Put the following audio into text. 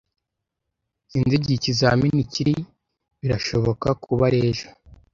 Sinzi igihe ikizamini kiri. Birashobora kuba ejo.